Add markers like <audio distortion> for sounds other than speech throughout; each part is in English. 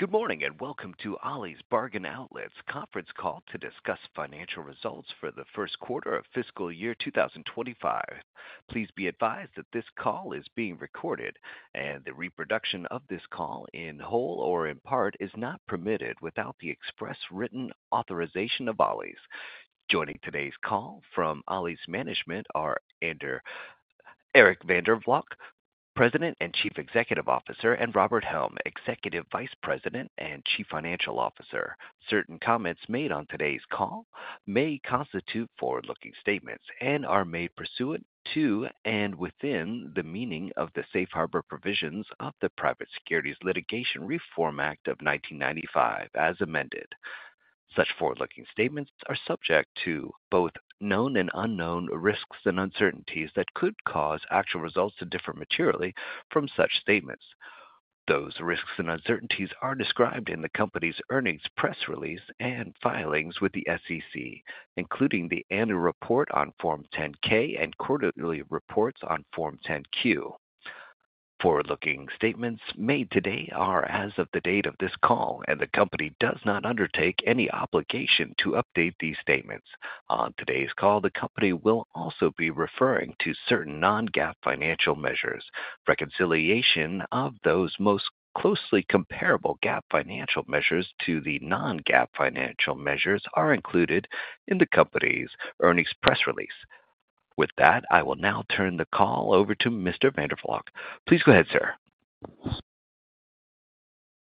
Good morning and welcome to Ollie's Bargain Outlet's conference call to discuss financial results for the first quarter of fiscal year 2025. Please be advised that this call is being recorded, and the reproduction of this call in whole or in part is not permitted without the express written authorization of Ollie's. Joining today's call from Ollie's management are Eric van der Valk, President and Chief Executive Officer, and Robert Helm, Executive Vice President and Chief Financial Officer. Certain comments made on today's call may constitute forward-looking statements and are made pursuant to and within the meaning of the Safe Harbor Provisions of the Private Securities Litigation Reform Act of 1995, as amended. Such forward-looking statements are subject to both known and unknown risks and uncertainties that could cause actual results to differ materially from such statements. Those risks and uncertainties are described in the company's earnings press release and filings with the SEC, including the annual report on Form 10-K and quarterly reports on Form 10-Q. Forward-looking statements made today are as of the date of this call, and the company does not undertake any obligation to update these statements. On today's call, the company will also be referring to certain non-GAAP financial measures. Reconciliation of those most closely comparable GAAP financial measures to the non-GAAP financial measures are included in the company's earnings press release. With that, I will now turn the call over to Mr. van der Valk. Please go ahead, sir.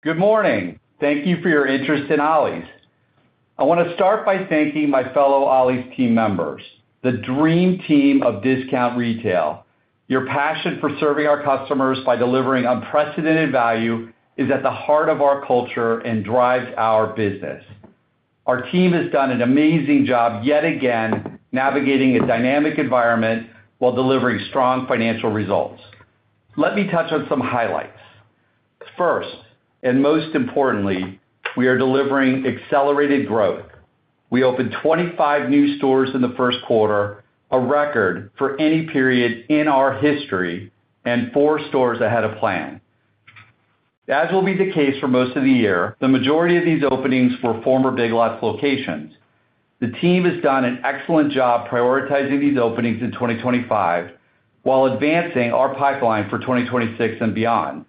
Good morning. Thank you for your interest in Ollie's. I want to start by thanking my fellow Ollie's team members, the dream team of discount retail. Your passion for serving our customers by delivering unprecedented value is at the heart of our culture and drives our business. Our team has done an amazing job yet again navigating a dynamic environment while delivering strong financial results. Let me touch on some highlights. First, and most importantly, we are delivering accelerated growth. We opened 25 new stores in the first quarter, a record for any period in our history, and four stores ahead of plan. As will be the case for most of the year, the majority of these openings were former Big Lots locations. The team has done an excellent job prioritizing these openings in 2025 while advancing our pipeline for 2026 and beyond.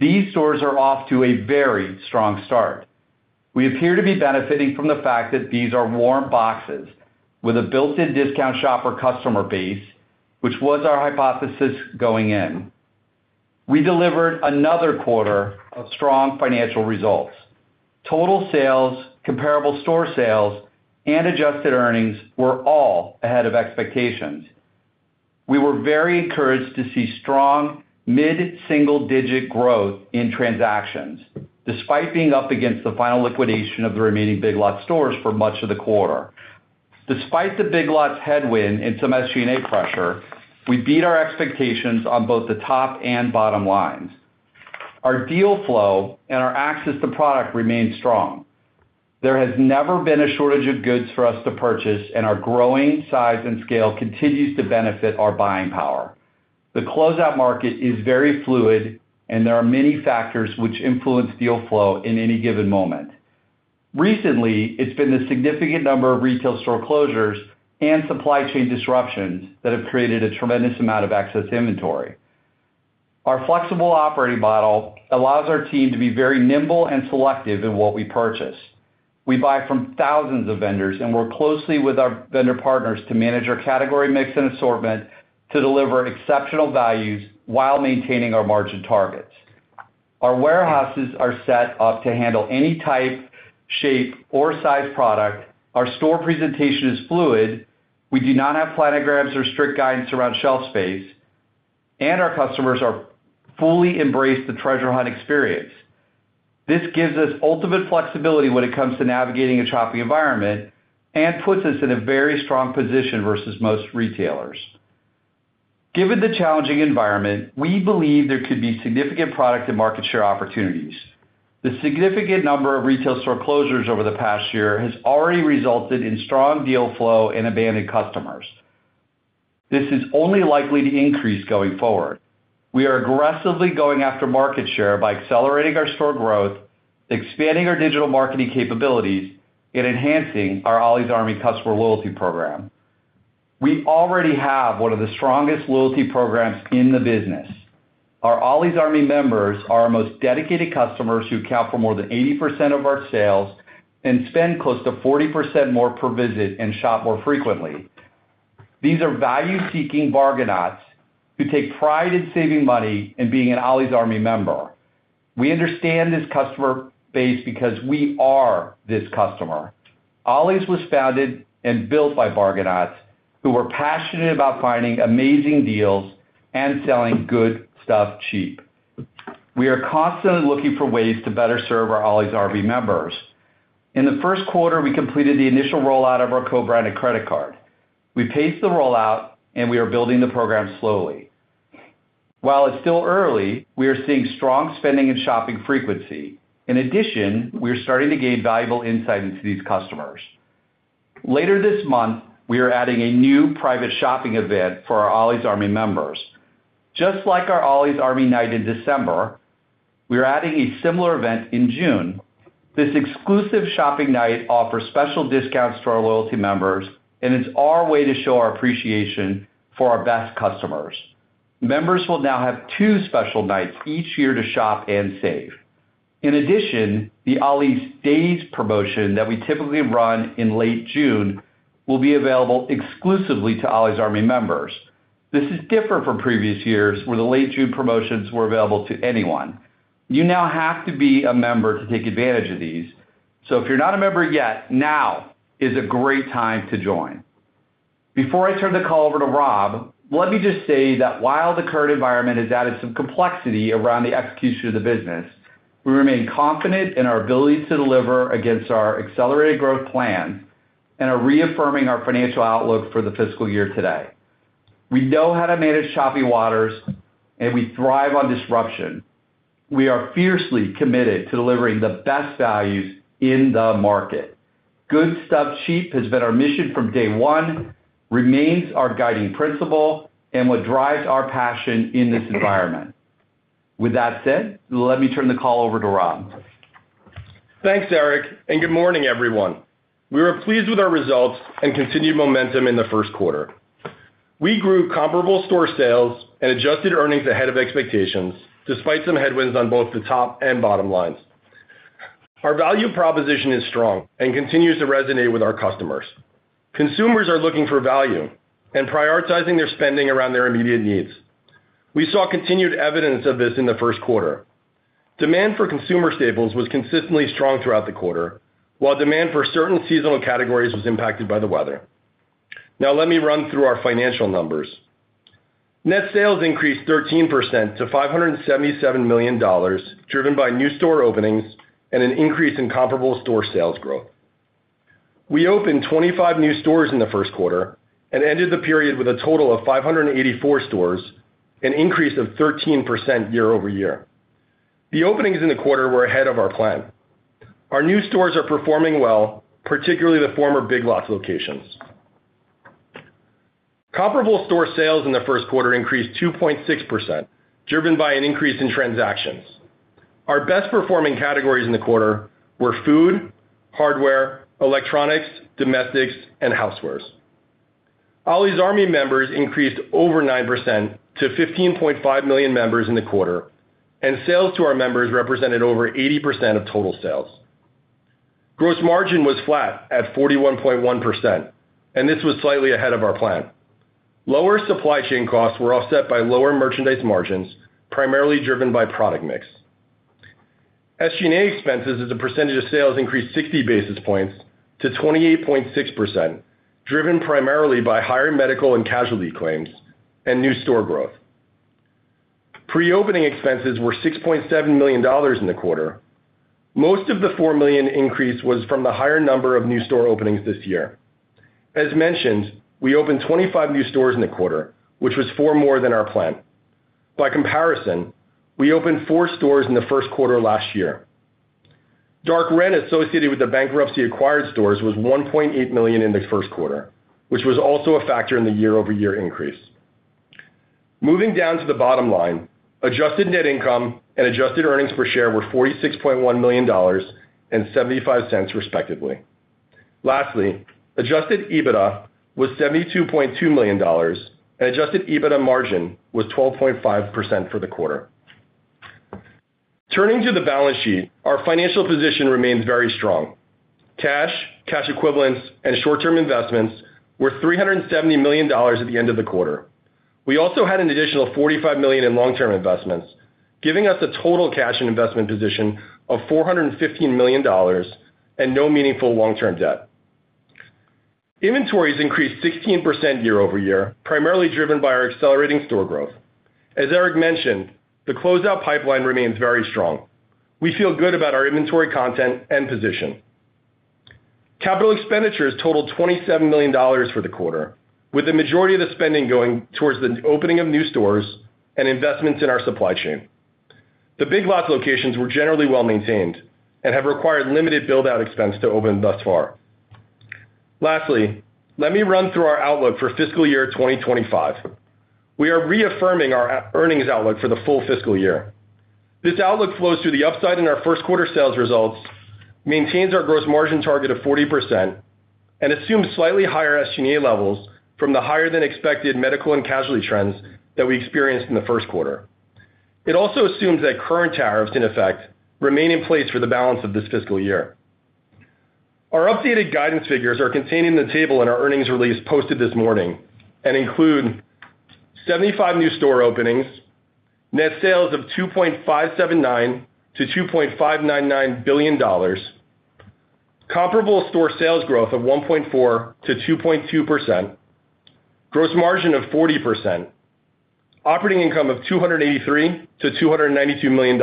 These stores are off to a very strong start. We appear to be benefiting from the fact that these are warm boxes with a built-in discount shopper customer base, which was our hypothesis going in. We delivered another quarter of strong financial results. Total sales, comparable store sales, and adjusted earnings were all ahead of expectations. We were very encouraged to see strong mid-single-digit growth in transactions, despite being up against the final liquidation of the remaining Big Lots stores for much of the quarter. Despite the Big Lots headwind and some SG&A pressure, we beat our expectations on both the top and bottom lines. Our deal flow and our access to product remain strong. There has never been a shortage of goods for us to purchase, and our growing size and scale continues to benefit our buying power. The closeout market is very fluid, and there are many factors which influence deal flow in any given moment. Recently, it's been the significant number of retail store closures and supply chain disruptions that have created a tremendous amount of excess inventory. Our flexible operating model allows our team to be very nimble and selective in what we purchase. We buy from thousands of vendors, and we work closely with our vendor partners to manage our category mix and assortment to deliver exceptional values while maintaining our margin targets. Our warehouses are set up to handle any type, shape, or size product. Our store presentation is fluid. We do not have planograms or strict guidance around shelf space, and our customers fully embrace the treasure hunt experience. This gives us ultimate flexibility when it comes to navigating a shopping environment and puts us in a very strong position versus most retailers. Given the challenging environment, we believe there could be significant product and market share opportunities. The significant number of retail store closures over the past year has already resulted in strong deal flow and abandoned customers. This is only likely to increase going forward. We are aggressively going after market share by accelerating our store growth, expanding our digital marketing capabilities, and enhancing our Ollie's Army customer loyalty program. We already have one of the strongest loyalty programs in the business. Our Ollie's Army members are our most dedicated customers who account for more than 80% of our sales and spend close to 40% more per visit and shop more frequently. These are value-seeking bargainauts who take pride in saving money and being an Ollie's Army member. We understand this customer base because we are this customer. Ollie's was founded and built by bargainauts, who were passionate about finding amazing deals and selling good stuff cheap. We are constantly looking for ways to better serve our Ollie's Army members. In the first quarter, we completed the initial rollout of our co-branded credit card. We pace the rollout, and we are building the program slowly. While it's still early, we are seeing strong spending and shopping frequency. In addition, we are starting to gain valuable insight into these customers. Later this month, we are adding a new private shopping event for our Ollie's Army members. Just like our Ollie's Army Night in December, we are adding a similar event in June. This exclusive shopping night offers special discounts to our loyalty members, and it's our way to show our appreciation for our best customers. Members will now have two special nights each year to shop and save. In addition, the Ollie's Days promotion that we typically run in late June will be available exclusively to Ollie's Army members. This is different from previous years, where the late June promotions were available to anyone. You now have to be a member to take advantage of these. If you're not a member yet, now is a great time to join. Before I turn the call over to Rob, let me just say that while the current environment has added some complexity around the execution of the business, we remain confident in our ability to deliver against our accelerated growth plan and are reaffirming our financial outlook for the fiscal year today. We know how to manage choppy waters, and we thrive on disruption. We are fiercely committed to delivering the best values in the market. Good stuff cheap has been our mission from day one, remains our guiding principle, and what drives our passion in this environment. With that said, let me turn the call over to Rob. Thanks, Eric, and good morning, everyone. We were pleased with our results and continued momentum in the first quarter. We grew comparable store sales and adjusted earnings ahead of expectations despite some headwinds on both the top and bottom lines. Our value proposition is strong and continues to resonate with our customers. Consumers are looking for value and prioritizing their spending around their immediate needs. We saw continued evidence of this in the first quarter. Demand for consumer staples was consistently strong throughout the quarter, while demand for certain seasonal categories was impacted by the weather. Now let me run through our financial numbers. Net sales increased 13% to $577 million, driven by new store openings and an increase in comparable store sales growth. We opened 25 new stores in the first quarter and ended the period with a total of 584 stores, an increase of 13% year-over-year. The openings in the quarter were ahead of our plan. Our new stores are performing well, particularly the former Big Lots locations. Comparable store sales in the first quarter increased 2.6%, driven by an increase in transactions. Our best-performing categories in the quarter were food, hardware, electronics, domestics, and housewares. Ollie's Army members increased over 9% to 15.5 million members in the quarter, and sales to our members represented over 80% of total sales. Gross margin was flat at 41.1%, and this was slightly ahead of our plan. Lower supply chain costs were offset by lower merchandise margins, primarily driven by product mix. SG&A expenses as a percentage of sales increased 60 basis points to 28.6%, driven primarily by higher medical and casualty claims and new store growth. Pre-opening expenses were $6.7 million in the quarter. Most of the $4 million increase was from the higher number of new store openings this year. As mentioned, we opened 25 new stores in the quarter, which was four more than our plan. By comparison, we opened four stores in the first quarter last year. Dark rent associated with the bankruptcy-acquired stores was $1.8 million in the first quarter, which was also a factor in the year-over-year increase. Moving down to the bottom line, adjusted net income and adjusted earnings per share were $46.1 million and $0.75, respectively. Lastly, adjusted EBITDA was $72.2 million, and adjusted EBITDA margin was 12.5% for the quarter. Turning to the balance sheet, our financial position remains very strong. Cash, cash equivalents, and short-term investments were $370 million at the end of the quarter. We also had an additional $45 million in long-term investments, giving us a total cash and investment position of $415 million and no meaningful long-term debt. Inventories increased 16% year-over-year, primarily driven by our accelerating store growth. As Eric mentioned, the closeout pipeline remains very strong. We feel good about our inventory content and position. Capital expenditures totaled $27 million for the quarter, with the majority of the spending going towards the opening of new stores and investments in our supply chain. The Big Lots locations were generally well maintained and have required limited build-out expense to open thus far. Lastly, let me run through our outlook for fiscal year 2025. We are reaffirming our earnings outlook for the full fiscal year. This outlook flows through the upside in our first quarter sales results, maintains our gross margin target of 40%, and assumes slightly higher SG&A levels from the higher-than-expected medical and casualty trends that we experienced in the first quarter. It also assumes that current tariffs, in effect, remain in place for the balance of this fiscal year. Our updated guidance figures are contained in the table in our earnings release posted this morning and include 75 new store openings, net sales of $2.579 billion-$2.599 billion, comparable store sales growth of 1.4%-2.2%, gross margin of 40%, operating income of $283 million-$292 million,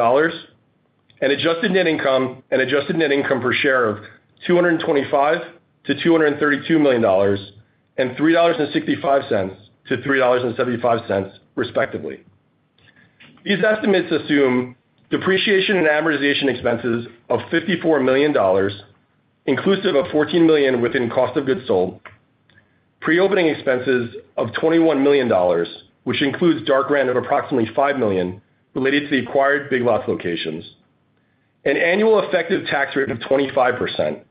and adjusted net income and adjusted net income per share of $225 million-$232 million and $3.65-$3.75, respectively. These estimates assume depreciation and amortization expenses of $54 million, inclusive of $14 million within cost of goods sold, pre-opening expenses of $21 million, which includes dark rent of approximately $5 million related to the acquired Big Lots locations, an annual effective tax rate of 25%,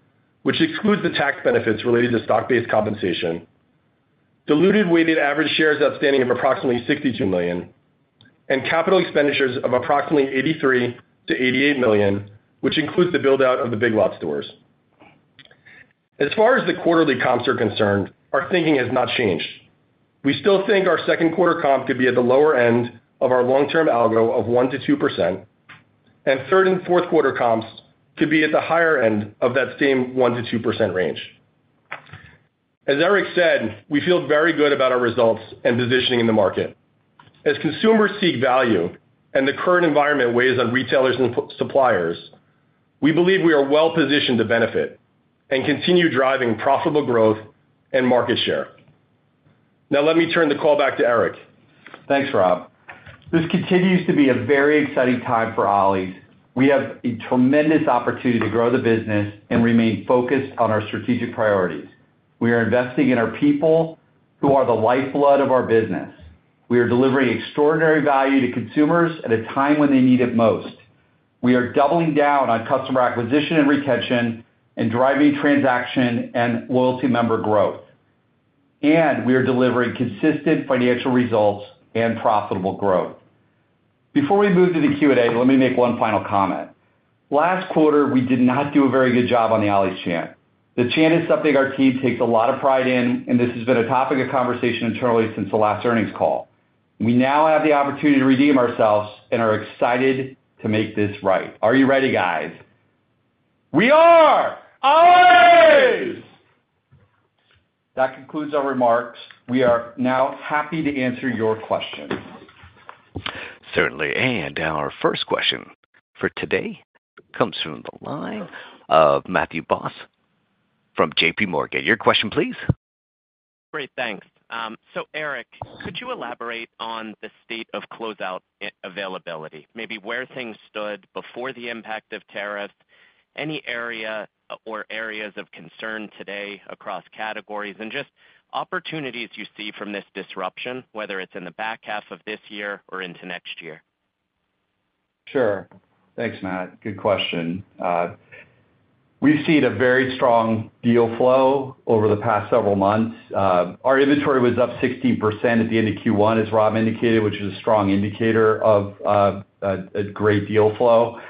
which excludes the tax benefits related to stock-based compensation, diluted weighted average shares outstanding of approximately 62 million, and capital expenditures of approximately $83 million-$88 million, which includes the build-out of the Big Lots stores. As far as the quarterly comps are concerned, our thinking has not changed. We still think our second quarter comp could be at the lower end of our long-term algo of 1%-2%, and third and fourth quarter comps could be at the higher end of that same 1%-2% range. As Eric said, we feel very good about our results and positioning in the market.. As consumers seek value and the current environment weighs on retailers and suppliers, we believe we are well positioned to benefit and continue driving profitable growth and market share. Now let me turn the call back to Eric. Thanks, Rob. This continues to be a very exciting time for Ollie's. We have a tremendous opportunity to grow the business and remain focused on our strategic priorities. We are investing in our people who are the lifeblood of our business. We are delivering extraordinary value to consumers at a time when they need it most. We are doubling down on customer acquisition and retention and driving transaction and loyalty member growth. We are delivering consistent financial results and profitable growth. Before we move to the Q&A, let me make one final comment. Last quarter, we did not do a very good job on the Ollie's chant. The chant is something our team takes a lot of pride in, and this has been a topic of conversation internally since the last earnings call. We now have the opportunity to redeem ourselves and are excited to make this right. Are you ready, guys? We are! Ollie's! That concludes our remarks. We are now happy to answer your questions. Certainly. Our first question for today comes from the line of Matthew Boss from JPMorgan. Your question, please. Great. Thanks. Eric, could you elaborate on the state of closeout availability, maybe where things stood before the impact of tariffs, any area or areas of concern today across categories, and just opportunities you see from this disruption, whether it's in the back half of this year or into next year? Sure. Thanks, Matt. Good question. We've seen a very strong deal flow over the past several months. Our inventory was up 16% at the end of Q1, as Rob indicated, which is a strong indicator of a great deal flow.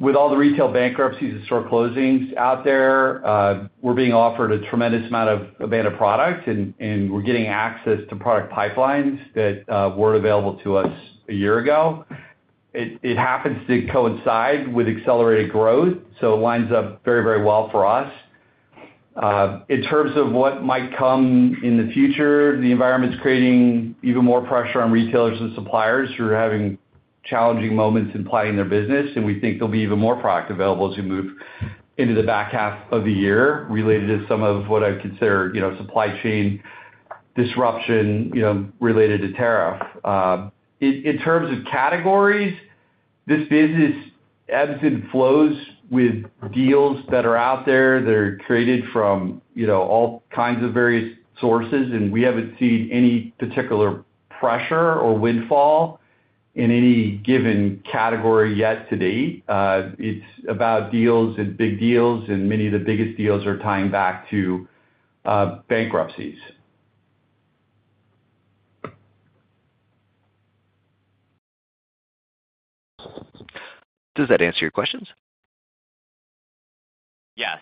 With all the retail bankruptcies and store closings out there, we're being offered a tremendous amount of abandoned products, and we're getting access to product pipelines that weren't available to us a year ago. It happens to coincide with accelerated growth, so it lines up very, very well for us. In terms of what might come in the future, the environment's creating even more pressure on retailers and suppliers who are having challenging moments in planning their business, and we think there'll be even more product available as we move into the back half of the year related to some of what I'd consider supply chain disruption related to tariff. In terms of categories, this business ebbs and flows with deals that are out there. They're created from all kinds of various sources, and we haven't seen any particular pressure or windfall in any given category yet to date. It's about deals and big deals, and many of the biggest deals are tying back to bankruptcies. Does that answer your questions? Yes.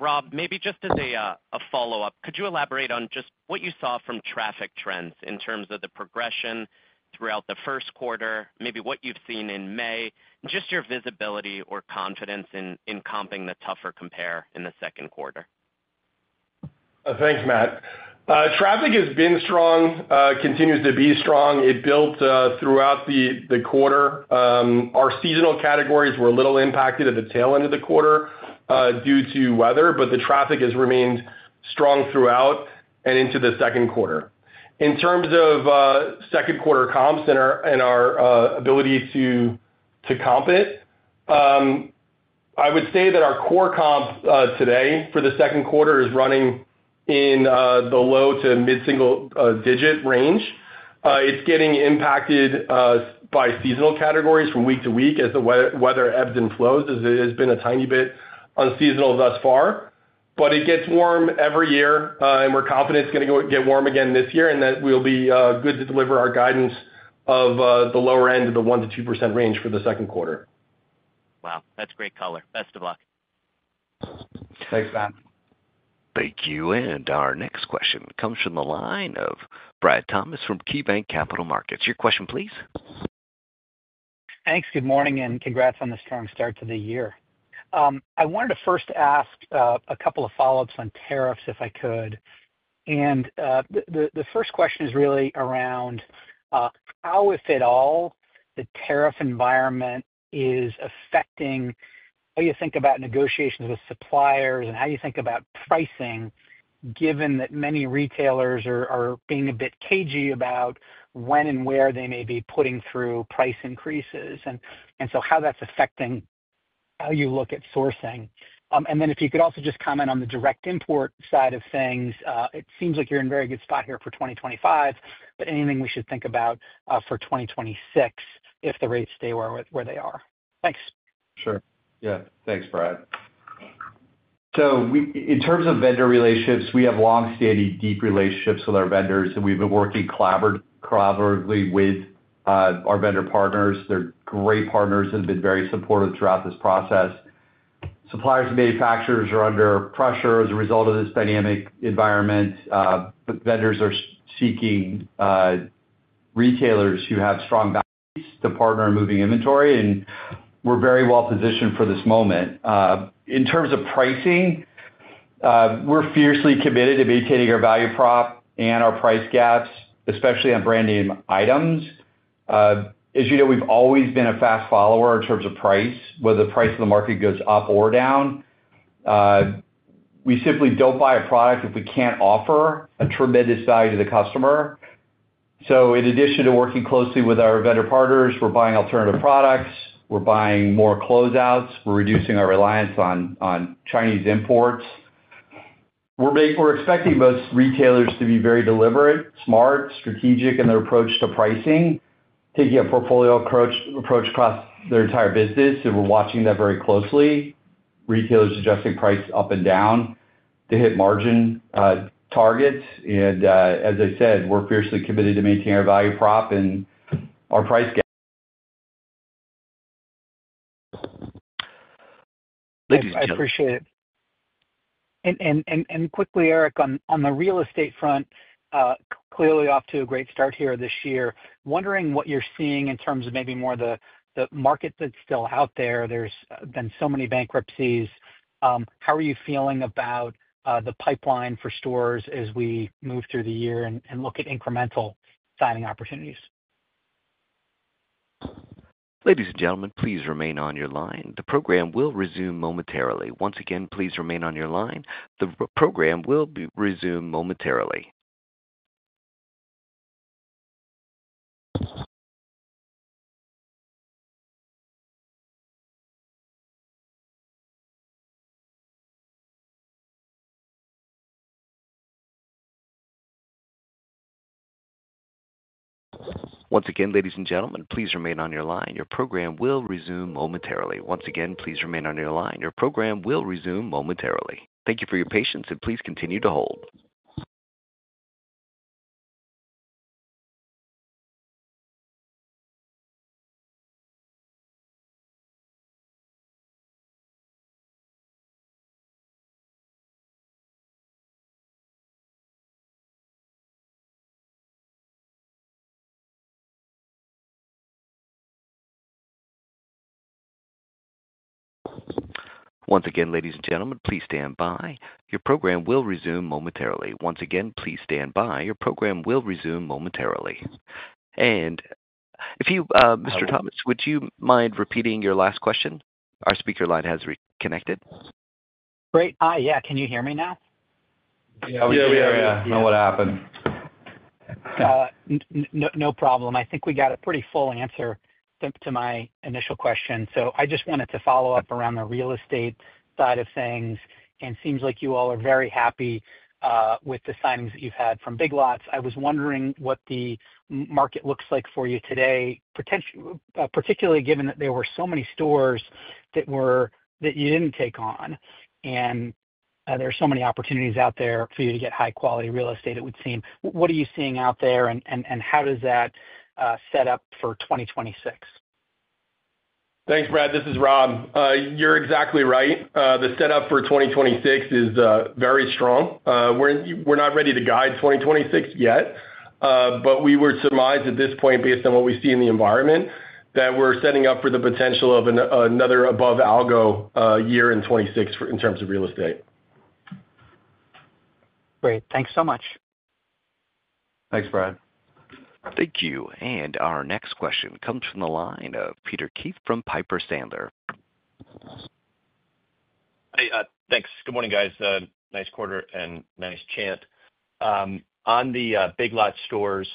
Rob, maybe just as a follow-up, could you elaborate on just what you saw from traffic trends in terms of the progression throughout the first quarter, maybe what you've seen in May, and just your visibility or confidence in comping the tougher compare in the second quarter? Thanks, Matt. Traffic has been strong, continues to be strong. It built throughout the quarter. Our seasonal categories were a little impacted at the tail end of the quarter due to weather, but the traffic has remained strong throughout and into the second quarter. In terms of second quarter comps and our ability to comp it, I would say that our core comp today for the second quarter is running in the low to mid-single-digit range. It's getting impacted by seasonal categories from week to week as the weather ebbs and flows, as it has been a tiny bit unseasonal thus far. It gets warm every year, and we're confident it's going to get warm again this year and that we'll be good to deliver our guidance of the lower end of the 1%-2% range for the second quarter. Wow. That's great color. Best of luck. Thanks, Matt. Thank you. Our next question comes from the line of Brad Thomas from KeyBanc Capital Markets. Your question, please. Thanks. Good morning and congrats on the strong start to the year. I wanted to first ask a couple of follow-ups on tariffs if I could. The first question is really around how, if at all, the tariff environment is affecting how you think about negotiations with suppliers and how you think about pricing, given that many retailers are being a bit cagey about when and where they may be putting through price increases and how that's affecting how you look at sourcing. If you could also just comment on the direct import side of things, it seems like you're in a very good spot here for 2025, but anything we should think about for 2026 if the rates stay where they are. Thanks. Sure. Yeah. Thanks, Brad. In terms of vendor relationships, we have long-standing deep relationships with our vendors, and we've been working collaboratively with our vendor partners. They're great partners and have been very supportive throughout this process. Suppliers and manufacturers are under pressure as a result of this dynamic environment. Vendors are seeking retailers who have strong values to partner in moving inventory, and we're very well positioned for this moment. In terms of pricing, we're fiercely committed to maintaining our value prop and our price gaps, especially on brand name items. As you know, we've always been a fast follower in terms of price, whether the price of the market goes up or down. We simply don't buy a product if we can't offer a tremendous value to the customer. In addition to working closely with our vendor partners, we're buying alternative products. We're buying more closeouts. We're reducing our reliance on Chinese imports. We're expecting most retailers to be very deliberate, smart, strategic in their approach to pricing, taking a portfolio approach across their entire business. We're watching that very closely, retailers adjusting price up and down to hit margin targets. As I said, we're fiercely committed to maintaining our value prop and our price gap. <audio distortion> Ladies and gentlemen. I appreciate it. Eric, on the real estate front, clearly off to a great start here this year. Wondering what you're seeing in terms of maybe more of the market that's still out there. There's been so many bankruptcies. How are you feeling about the pipeline for stores as we move through the year and look at incremental signing opportunities? Ladies and gentlemen, please remain on your line. The program will resume momentarily. Once again, please remain on your line. The program will resume momentarily. Once again, ladies and gentlemen, please remain on your line. Your program will resume momentarily. Thank you for your patience, and please continue to hold. Once again, ladies and gentlemen, please stand by. Your program will resume momentarily. Please stand by. Your program will resume momentarily. If you, Mr. Thomas, would you mind repeating your last question? Our speaker line has reconnected. Great. Hi. Yeah. Can you hear me now? Yeah. We hear you. Don't know what happened. No problem. I think we got a pretty full answer to my initial question. I just wanted to follow up around the real estate side of things. It seems like you all are very happy with the signings that you've had from Big Lots. I was wondering what the market looks like for you today, particularly given that there were so many stores that you didn't take on. There are so many opportunities out there for you to get high-quality real estate, it would seem. What are you seeing out there, and how does that set up for 2026? Thanks, Brad. This is Rob. You're exactly right. The setup for 2026 is very strong. We're not ready to guide 2026 yet, but we would surmise at this point, based on what we see in the environment, that we're setting up for the potential of another above-algo year in 2026 in terms of real estate. Great. Thanks so much. Thanks, Brad. Thank you. Our next question comes from the line of Peter Keith from Piper Sandler. Thanks. Good morning, guys. Nice quarter and nice chant. On the Big Lots stores,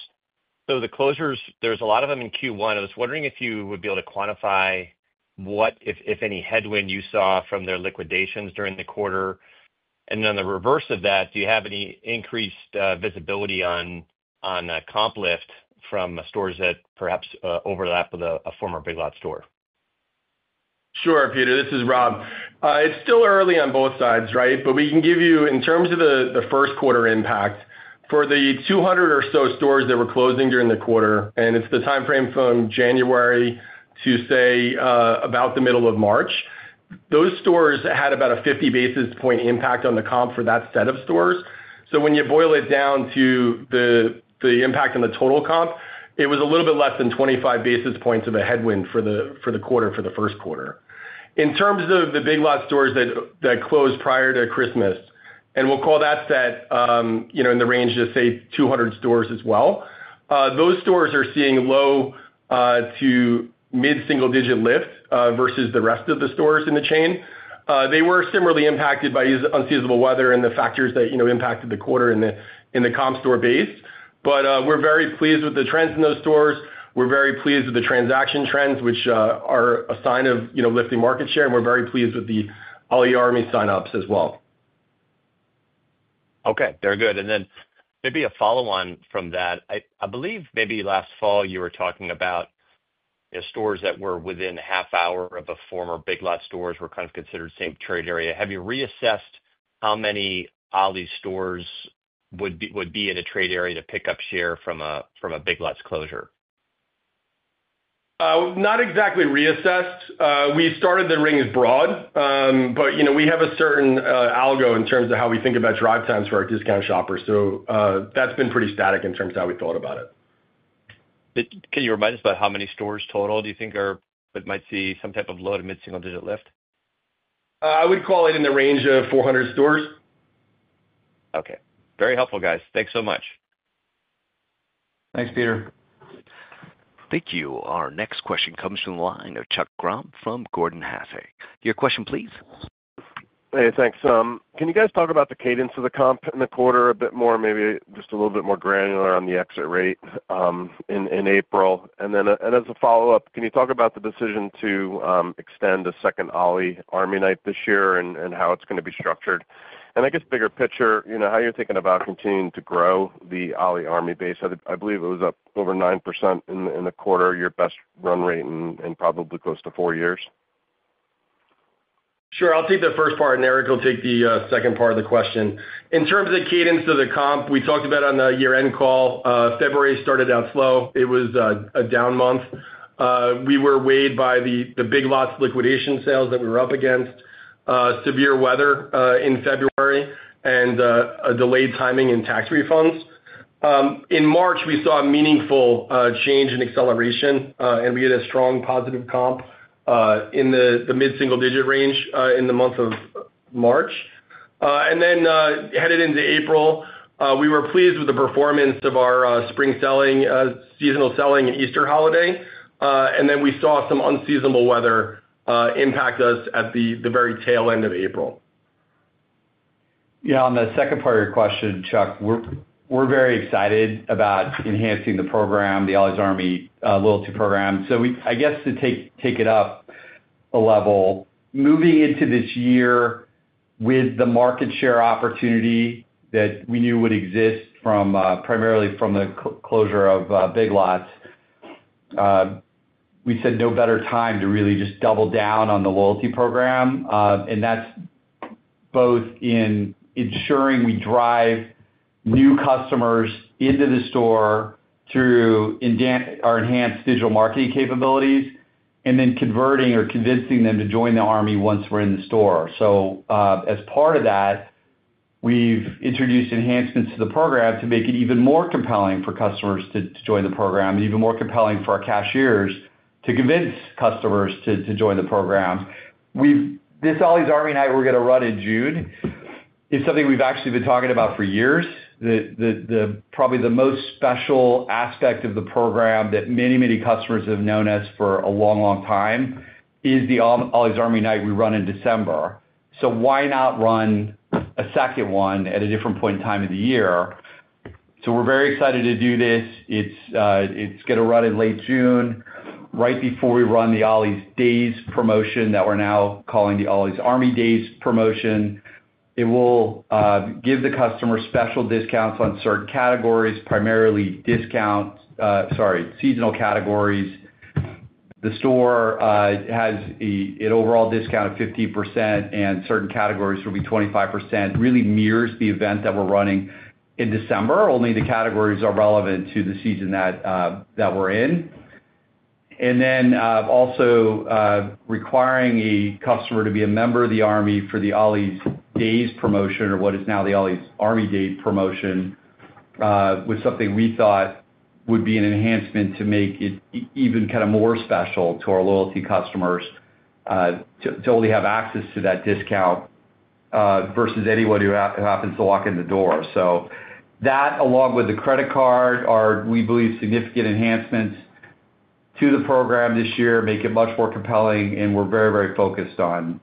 the closures, there's a lot of them in Q1. I was wondering if you would be able to quantify what, if any, headwind you saw from their liquidations during the quarter. On the reverse of that, do you have any increased visibility on comp lift from stores that perhaps overlap with a former Big Lots store? Sure, Peter. This is Rob. It's still early on both sides, right? But we can give you, in terms of the first quarter impact, for the 200 or so stores that were closing during the quarter, and it's the timeframe from January to, say, about the middle of March, those stores had about a 50 basis point impact on the comp for that set of stores. When you boil it down to the impact on the total comp, it was a little bit less than 25 basis points of a headwind for the quarter for the first quarter. In terms of the Big Lots stores that closed prior to Christmas, and we'll call that set in the range of, say, 200 stores as well, those stores are seeing low to mid-single-digit lift versus the rest of the stores in the chain. They were similarly impacted by unseasonable weather and the factors that impacted the quarter in the comp store base. We are very pleased with the trends in those stores. We are very pleased with the transaction trends, which are a sign of lifting market share. We are very pleased with the Ollie's Army sign-ups as well. Okay. Very good. Maybe a follow-on from that. I believe maybe last fall you were talking about stores that were within a half hour of a former Big Lots store were kind of considered the same trade area. Have you reassessed how many Ollie's stores would be in a trade area to pick up share from a Big Lots closure? Not exactly reassessed. We started the ring as broad, but we have a certain algo in terms of how we think about drive times for our discount shoppers. So that's been pretty static in terms of how we thought about it. Can you remind us about how many stores total do you think might see some type of low to mid-single-digit lift? I would call it in the range of 400 stores. Okay. Very helpful, guys. Thanks so much. Thanks, Peter. Thank you. Our next question comes from the line of Chuck Grom from Gordon Haskett. Your question, please. Hey, thanks. Can you guys talk about the cadence of the comp in the quarter a bit more, maybe just a little bit more granular on the exit rate in April? As a follow-up, can you talk about the decision to extend a second Ollie's Army Night this year and how it's going to be structured? I guess bigger picture, how you're thinking about continuing to grow the Ollie's Army base? I believe it was up over 9% in the quarter, your best run rate in probably close to four years. Sure. I'll take the first part, and Eric will take the second part of the question. In terms of the cadence of the comp, we talked about on the year-end call, February started out slow. It was a down month. We were weighed by the Big Lots liquidation sales that we were up against, severe weather in February, and delayed timing in tax refunds. In March, we saw a meaningful change in acceleration, and we had a strong positive comp in the mid-single-digit range in the month of March. In April, we were pleased with the performance of our spring selling, seasonal selling, and Easter holiday. We saw some unseasonable weather impact us at the very tail end of April. Yeah. On the second part of your question, Chuck, we're very excited about enhancing the program, the Ollie's Army loyalty program. I guess to take it up a level, moving into this year with the market share opportunity that we knew would exist primarily from the closure of Big Lots, we said no better time to really just double down on the loyalty program. That's both in ensuring we drive new customers into the store through our enhanced digital marketing capabilities and then converting or convincing them to join the Army once they're in the store. As part of that, we've introduced enhancements to the program to make it even more compelling for customers to join the program and even more compelling for our cashiers to convince customers to join the program. This Ollie's Army night we're going to run in June is something we've actually been talking about for years. Probably the most special aspect of the program that many, many customers have known us for a long, long time is the Ollie's Army night we run in December. Why not run a second one at a different point in time of the year? We're very excited to do this. It's going to run in late June, right before we run the Ollie's Days promotion that we're now calling the Ollie's Army Days promotion. It will give the customer special discounts on certain categories, primarily discounts—sorry, seasonal categories. The store has an overall discount of 15%, and certain categories will be 25%. It really mirrors the event that we're running in December. Only the categories are relevant to the season that we're in. Requiring a customer to be a member of the Army for the Ollie's Days promotion, or what is now the Ollie's Army Day promotion, was something we thought would be an enhancement to make it even kind of more special to our loyalty customers to only have access to that discount versus anyone who happens to walk in the door. That, along with the credit card, we believe are significant enhancements to the program this year, make it much more compelling. We are very, very focused on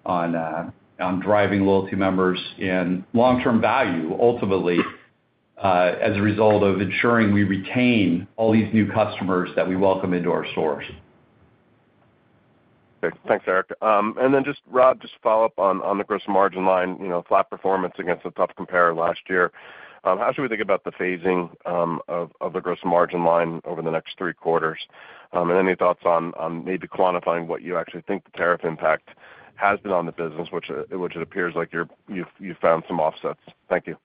driving loyalty members and long-term value, ultimately, as a result of ensuring we retain all these new customers that we welcome into our stores. Thanks, Eric. Rob, just to follow up on the gross margin line, flat performance against a tough comparator last year. How should we think about the phasing of the gross margin line over the next three quarters? Any thoughts on maybe quantifying what you actually think the tariff impact has been on the business, which it appears like you've found some offsets? Thank you.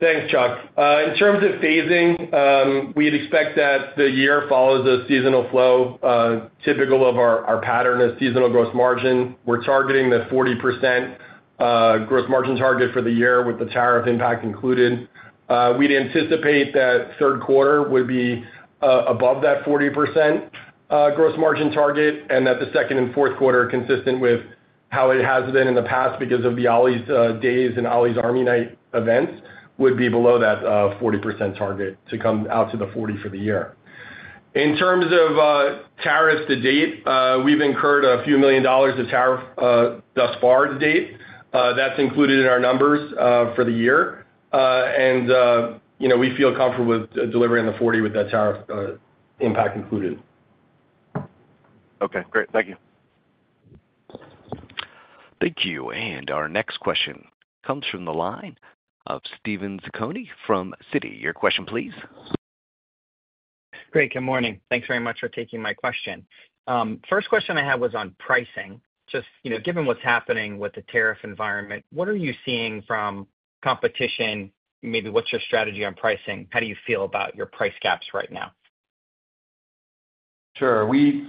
Thanks, Chuck. In terms of phasing, we'd expect that the year follows a seasonal flow. Typical of our pattern is seasonal gross margin. We're targeting the 40% gross margin target for the year with the tariff impact included. We'd anticipate that third quarter would be above that 40% gross margin target and that the second and fourth quarter, consistent with how it has been in the past because of the Ollie's Days and Ollie's Army Night events, would be below that 40% target to come out to the 40% for the year. In terms of tariffs to date, we've incurred a few million dollars of tariff thus far to date. That's included in our numbers for the year. We feel comfortable with delivering the 40% with that tariff impact included. Okay. Great. Thank you. Thank you. Our next question comes from the line of Steven Zaccone from Citi. Your question, please. Great. Good morning. Thanks very much for taking my question. First question I have was on pricing. Just given what's happening with the tariff environment, what are you seeing from competition? Maybe what's your strategy on pricing? How do you feel about your price gaps right now? Sure.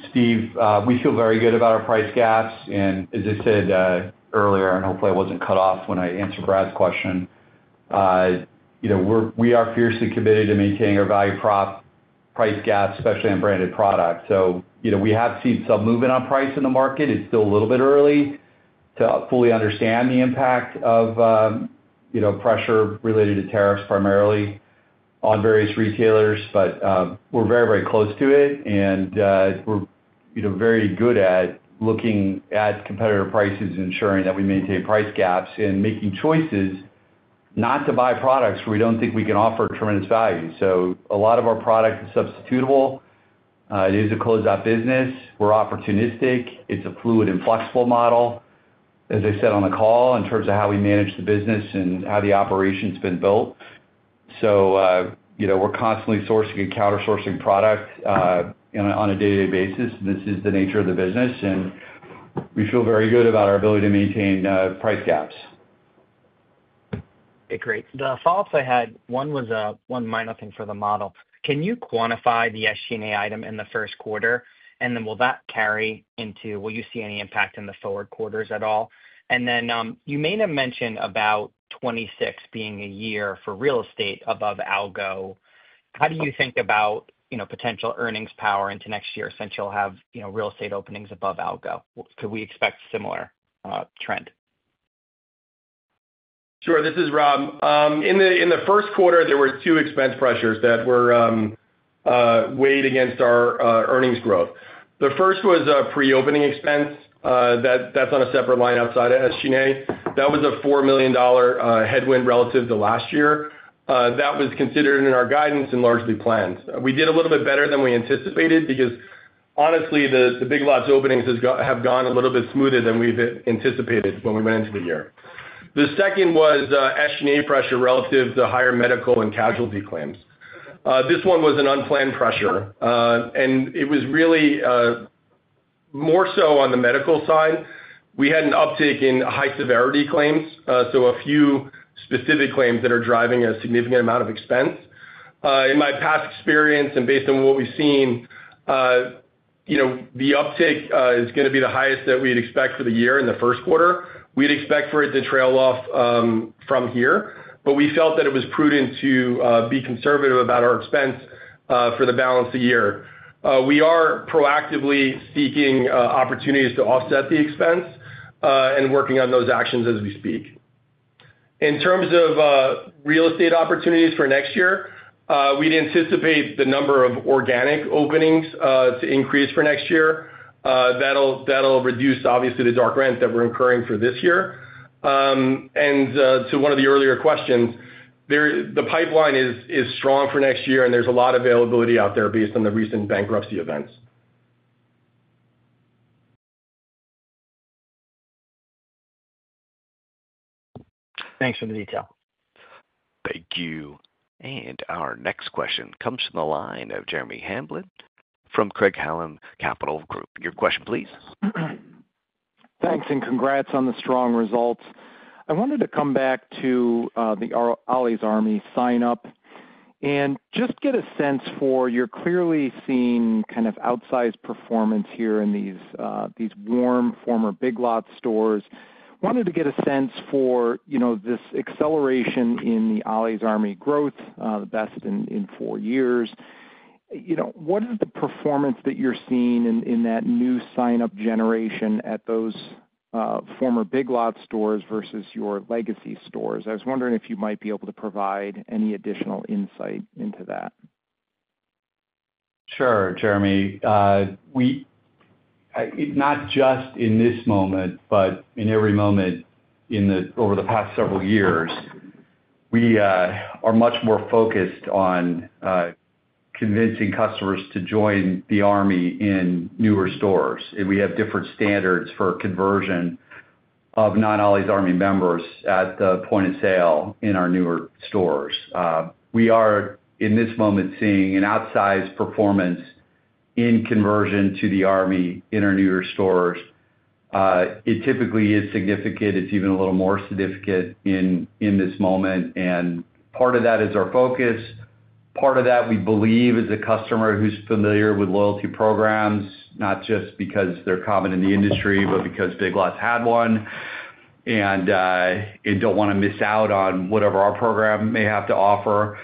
Steve, we feel very good about our price gaps. As I said earlier, and hopefully I wasn't cut off when I answered Brad's question, we are fiercely committed to maintaining our value prop price gap, especially on branded products. We have seen some movement on price in the market. It's still a little bit early to fully understand the impact of pressure related to tariffs primarily on various retailers, but we're very, very close to it. We're very good at looking at competitor prices and ensuring that we maintain price gaps and making choices not to buy products where we don't think we can offer tremendous value. A lot of our product is substitutable. It is a closeout business. We're opportunistic. It's a fluid and flexible model, as I said on the call, in terms of how we manage the business and how the operation's been built. We're constantly sourcing and countersourcing product on a day-to-day basis. This is the nature of the business. We feel very good about our ability to maintain price gaps. Okay. Great. The follow-ups I had, one minor thing for the model. Can you quantify the SG&A item in the first quarter? Will that carry into, will you see any impact in the forward quarters at all? You may have mentioned about 2026 being a year for real estate above algo. How do you think about potential earnings power into next year since you'll have real estate openings above algo? Could we expect a similar trend? Sure. This is Rob. In the first quarter, there were two expense pressures that were weighed against our earnings growth. The first was a pre-opening expense. That's on a separate line outside of SG&A. That was a $4 million headwind relative to last year. That was considered in our guidance and largely planned. We did a little bit better than we anticipated because, honestly, the Big Lots openings have gone a little bit smoother than we've anticipated when we went into the year. The second was SG&A pressure relative to higher medical and casualty claims. This one was an unplanned pressure. It was really more so on the medical side. We had an uptick in high severity claims, so a few specific claims that are driving a significant amount of expense. In my past experience and based on what we've seen, the uptick is going to be the highest that we'd expect for the year in the first quarter. We'd expect for it to trail off from here, but we felt that it was prudent to be conservative about our expense for the balance of the year. We are proactively seeking opportunities to offset the expense and working on those actions as we speak. In terms of real estate opportunities for next year, we'd anticipate the number of organic openings to increase for next year. That'll reduce, obviously, the dark rent that we're incurring for this year. To one of the earlier questions, the pipeline is strong for next year, and there's a lot of availability out there based on the recent bankruptcy events. Thanks for the detail. Thank you. Our next question comes from the line of Jeremy Hamblin from Craig-Hallum Capital Group. Your question, please. Thanks. Congrats on the strong results. I wanted to come back to the Ollie's Army sign-up and just get a sense for your clearly seen kind of outsized performance here in these warm former Big Lots stores. I wanted to get a sense for this acceleration in the Ollie's Army growth, the best in four years. What is the performance that you're seeing in that new sign-up generation at those former Big Lots stores versus your legacy stores? I was wondering if you might be able to provide any additional insight into that. Sure, Jeremy. Not just in this moment, but in every moment over the past several years, we are much more focused on convincing customers to join the Army in newer stores. We have different standards for conversion of non-Ollie's Army members at the point of sale in our newer stores. We are, in this moment, seeing an outsized performance in conversion to the Army in our newer stores. It typically is significant. It is even a little more significant in this moment. Part of that is our focus. Part of that, we believe, is a customer who is familiar with loyalty programs, not just because they are common in the industry, but because Big Lots had one, and do not want to miss out on whatever our program may have to offer.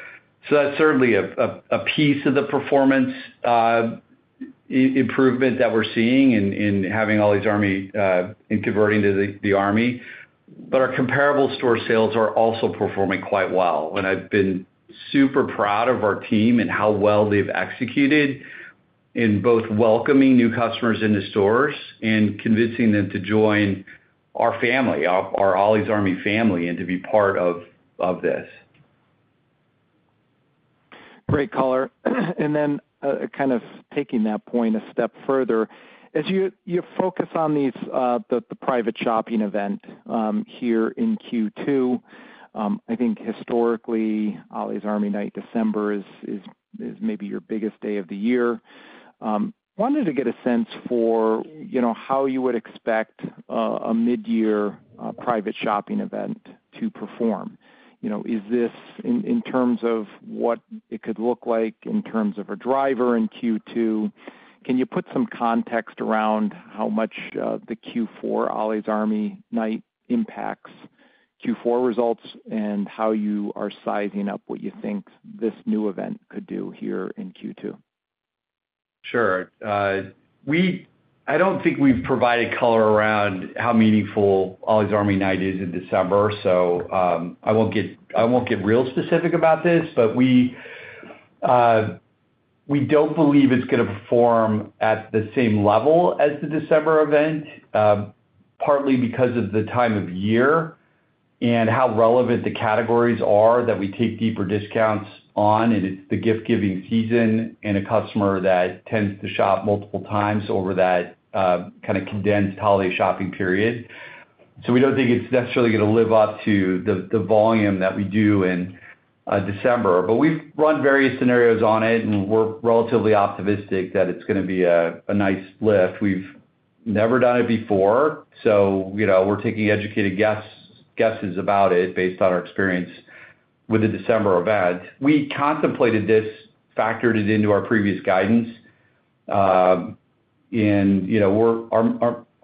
That's certainly a piece of the performance improvement that we're seeing in having Ollie's Army and converting to the Army. Our comparable store sales are also performing quite well. I've been super proud of our team and how well they've executed in both welcoming new customers into stores and convincing them to join our family, our Ollie's Army family, and to be part of this. Great color. And then kind of taking that point a step further, as you focus on the private shopping event here in Q2, I think historically, Ollie's Army Night December is maybe your biggest day of the year. Wanted to get a sense for how you would expect a mid-year private shopping event to perform. Is this in terms of what it could look like in terms of a driver in Q2? Can you put some context around how much the Q4 Ollie's Army Night impacts Q4 results and how you are sizing up what you think this new event could do here in Q2? Sure. I don't think we've provided color around how meaningful Ollie's Army Night is in December. I won't get real specific about this, but we don't believe it's going to perform at the same level as the December event, partly because of the time of year and how relevant the categories are that we take deeper discounts on. It's the gift-giving season and a customer that tends to shop multiple times over that kind of condensed holiday shopping period. We don't think it's necessarily going to live up to the volume that we do in December. We've run various scenarios on it, and we're relatively optimistic that it's going to be a nice lift. We've never done it before. We're taking educated guesses about it based on our experience with the December event. We contemplated this, factored it into our previous guidance. Our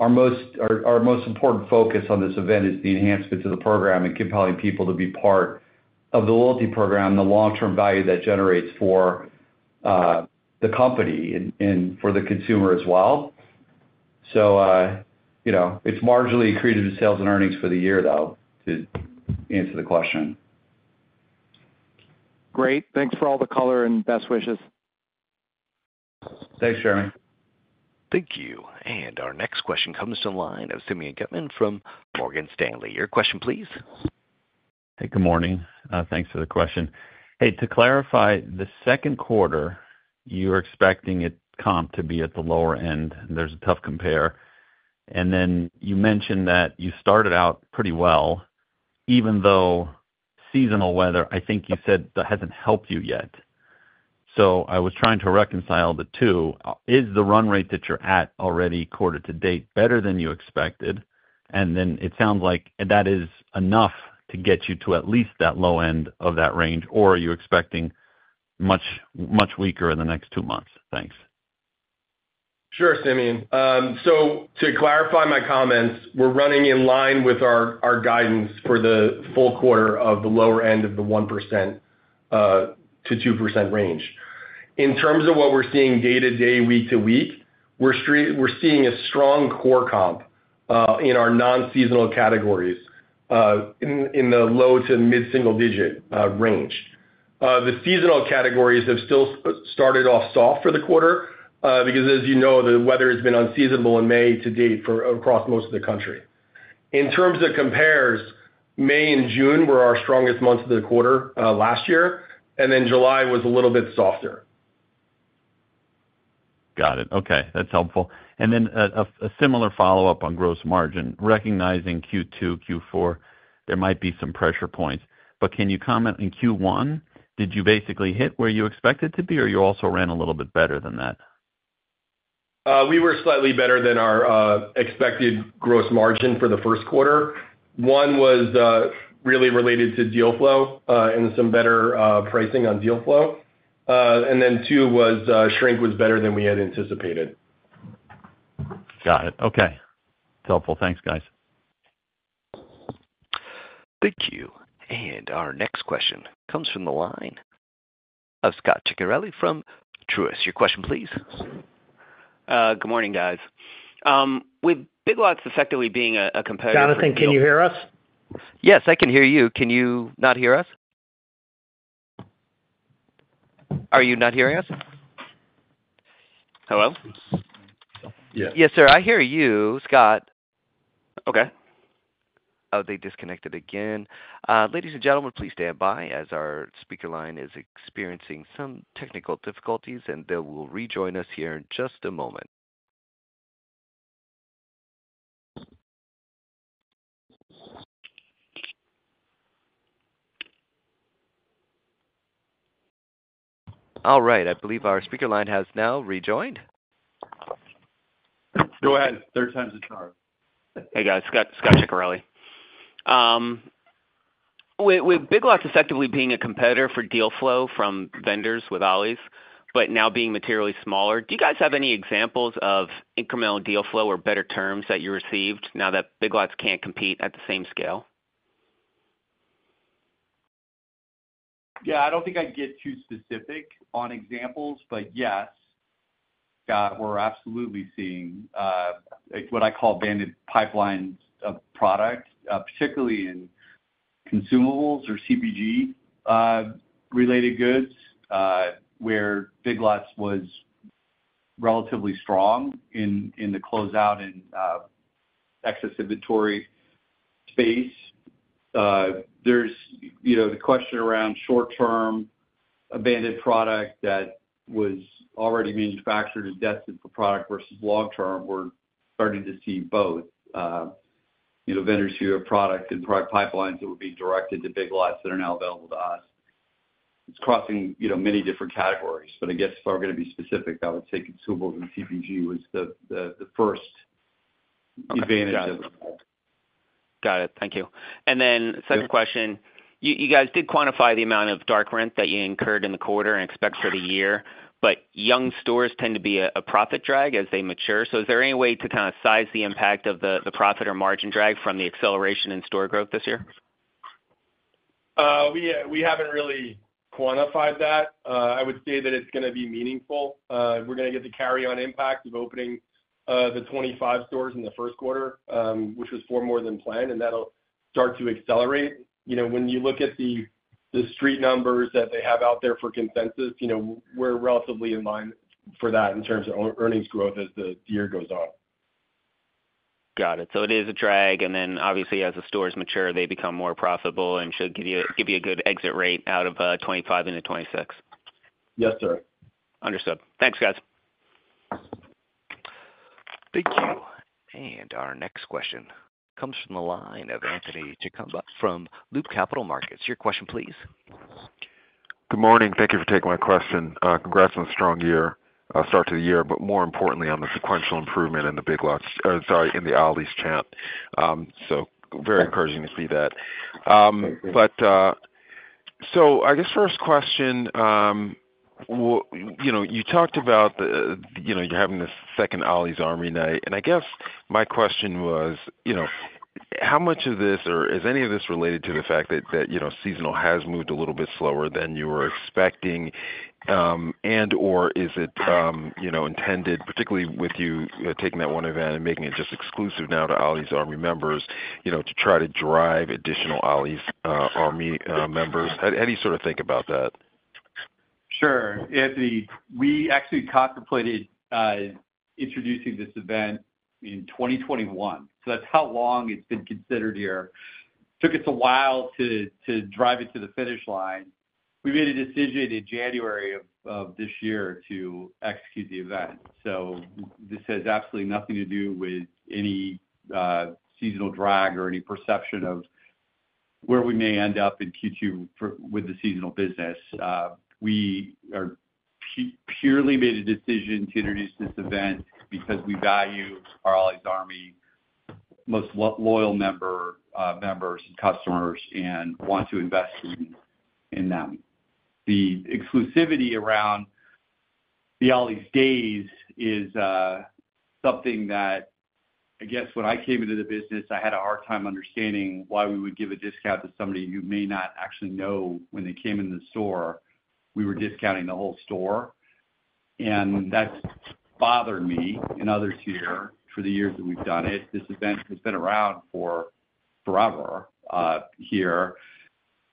most important focus on this event is the enhancement to the program and compelling people to be part of the loyalty program and the long-term value that generates for the company and for the consumer as well. It is marginally accretive to sales and earnings for the year, though, to answer the question. Great. Thanks for all the color and best wishes. Thanks, Jeremy. Thank you. Our next question comes to the line of Simeon Gutman from Morgan Stanley. Your question, please. Hey, good morning. Thanks for the question. Hey, to clarify, the second quarter, you're expecting the comp to be at the lower end. There's a tough compare. You mentioned that you started out pretty well, even though seasonal weather, I think you said, that hasn't helped you yet. I was trying to reconcile the two. Is the run rate that you're at already quarter to date better than you expected? It sounds like that is enough to get you to at least that low end of that range, or are you expecting much weaker in the next two months? Thanks. Sure, Simeon. To clarify my comments, we're running in line with our guidance for the full quarter at the lower end of the 1%-2% range. In terms of what we're seeing day to day, week to week, we're seeing a strong core comp in our non-seasonal categories in the low to mid-single-digit range. The seasonal categories have still started off soft for the quarter because, as you know, the weather has been unseasonable in May to date across most of the country. In terms of compares, May and June were our strongest months of the quarter last year, and then July was a little bit softer. Got it. Okay. That's helpful. Then a similar follow-up on gross margin. Recognizing Q2, Q4, there might be some pressure points, but can you comment on Q1? Did you basically hit where you expected to be, or you also ran a little bit better than that? We were slightly better than our expected gross margin for the first quarter. One was really related to deal flow and some better pricing on deal flow. Two was shrink was better than we had anticipated. Got it. Okay. It's helpful. Thanks, guys. Thank you. Our next question comes from the line of Scot Ciccarelli from Truist. Your question, please. Good morning, guys. With Big Lots effectively being a comparison for. [Jonathan], can you hear us? Yes, I can hear you. Can you not hear us? Are you not hearing us? Hello? Yes. Yes, sir. I hear you, Scot. Okay. Oh, they disconnected again. Ladies and gentlemen, please stand by as our speaker line is experiencing some technical difficulties, and they will rejoin us here in just a moment. All right. I believe our speaker line has now rejoined. Go ahead. Third time's the charm. Hey, guys. Scot Ciccarelli. With Big Lots effectively being a competitor for deal flow from vendors with Ollie's, but now being materially smaller, do you guys have any examples of incremental deal flow or better terms that you received now that Big Lots can't compete at the same scale? Yeah. I don't think I'd get too specific on examples, but yes, we're absolutely seeing what I call banded pipelines of product, particularly in consumables or CPG-related goods, where Big Lots was relatively strong in the closeout and excess inventory space. There's the question around short-term abandoned product that was already manufactured as destined for product versus long-term. We're starting to see both vendors who have product and product pipelines that would be directed to Big Lots that are now available to us. It's crossing many different categories, but I guess if I were going to be specific, I would say consumables and CPG was the first advantage of the product. Got it. Thank you. Then second question, you guys did quantify the amount of dark rent that you incurred in the quarter and expect for the year, but young stores tend to be a profit drag as they mature. Is there any way to kind of size the impact of the profit or margin drag from the acceleration in store growth this year? We haven't really quantified that. I would say that it's going to be meaningful. We're going to get the carry-on impact of opening the 25 stores in the first quarter, which was four more than planned, and that'll start to accelerate. When you look at the street numbers that they have out there for consensus, we're relatively in line for that in terms of earnings growth as the year goes on. Got it. It is a drag. And then obviously, as the stores mature, they become more profitable and should give you a good exit rate out of 2025 into 2026. Yes, sir. Understood. Thanks, guys. Thank you. Our next question comes from the line of Anthony Chukumba from Loop Capital Markets. Your question, please. Good morning. Thank you for taking my question. Congrats on a strong start to the year, but more importantly, on the sequential improvement in the Big Lots—sorry, in the Ollie's chant. Very encouraging to see that. I guess first question, you talked about having this second Ollie's Army Night. My question was, how much of this, or is any of this, related to the fact that seasonal has moved a little bit slower than you were expecting? And/or is it intended, particularly with you taking that one event and making it just exclusive now to Ollie's Army members, to try to drive additional Ollie's Army members? How do you sort of think about that? Sure. Anthony, we actually contemplated introducing this event in 2021. So that's how long it's been considered here. Took us a while to drive it to the finish line. We made a decision in January of this year to execute the event. This has absolutely nothing to do with any seasonal drag or any perception of where we may end up in Q2 with the seasonal business. We purely made a decision to introduce this event because we value our Ollie's Army most loyal members and customers and want to invest in them. The exclusivity around the Ollie's days is something that, I guess, when I came into the business, I had a hard time understanding why we would give a discount to somebody who may not actually know when they came into the store. We were discounting the whole store. That's bothered me and others here for the years that we've done it. This event has been around forever here.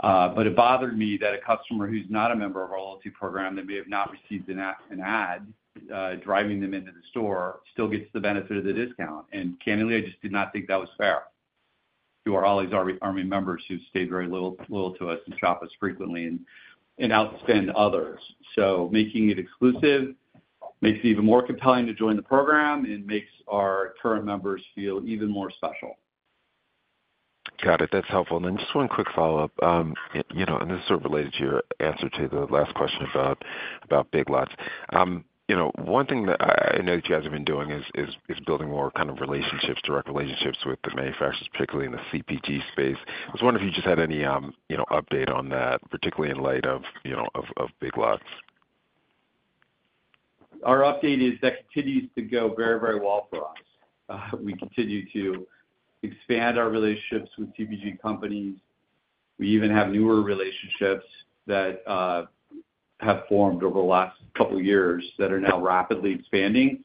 It bothered me that a customer who's not a member of our loyalty program, that may have not received an ad driving them into the store, still gets the benefit of the discount. Candidly, I just did not think that was fair to our Ollie's Army members who stayed very loyal to us and shop us frequently and outspend others. Making it exclusive makes it even more compelling to join the program and makes our current members feel even more special. Got it. That's helpful. Just one quick follow-up. This is sort of related to your answer to the last question about Big Lots. One thing that I know that you guys have been doing is building more kind of relationships, direct relationships with the manufacturers, particularly in the CPG space. I was wondering if you just had any update on that, particularly in light of Big Lots. Our update is that continues to go very, very well for us. We continue to expand our relationships with CPG companies. We even have newer relationships that have formed over the last couple of years that are now rapidly expanding.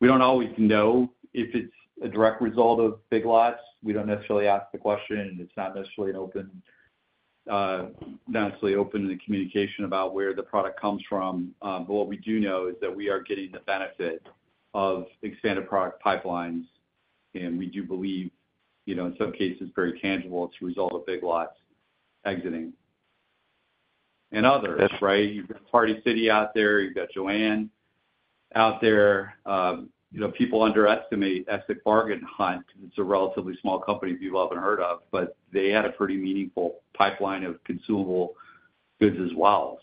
We do not always know if it is a direct result of Big Lots. We do not necessarily ask the question. It is not necessarily open—not necessarily open in the communication about where the product comes from. What we do know is that we are getting the benefit of expanded product pipelines. We do believe, in some cases, very tangible as a result of Big Lots exiting and others, right? You have got Party City out there. You have got Joann out there. People underestimate Bargain Hunt because it is a relatively small company people have not heard of, but they had a pretty meaningful pipeline of consumable goods as well.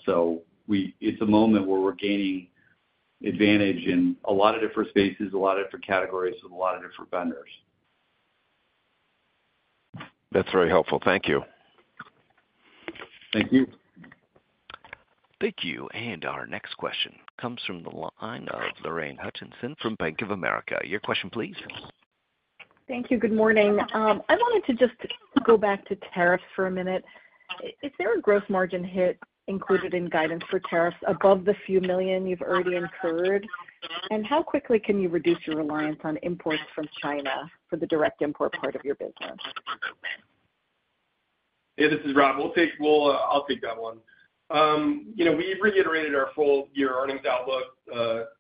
It's a moment where we're gaining advantage in a lot of different spaces, a lot of different categories with a lot of different vendors. That's very helpful. Thank you. Thank you. Thank you. Our next question comes from the line of Lorraine Hutchinson from Bank of America. Your question, please. Thank you. Good morning. I wanted to just go back to tariffs for a minute. Is there a gross margin hit included in guidance for tariffs above the few million you've already incurred? How quickly can you reduce your reliance on imports from China for the direct import part of your business? Yeah, this is Rob. I'll take that one. We reiterated our full year earnings outlook,